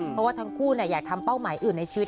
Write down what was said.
เพราะว่าทั้งคู่อยากทำเป้าหมายอื่นในชีวิต